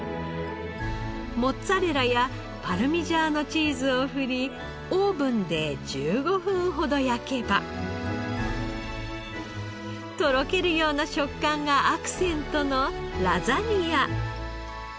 モッツァレラやパルミジャーノチーズをふりオーブンで１５分ほど焼けばとろけるような食感がアクセントのラザニア。